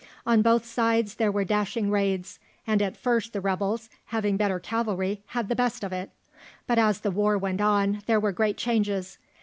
On both sides there were dashing raids, and at first the rebels, having better cavalry, had the best of it. But as the war went on, there were great changes.